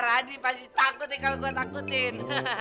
radi pasti takut nih kalau gue takutin